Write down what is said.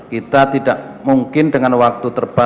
kita tidak mungkin dengan waktu terbaik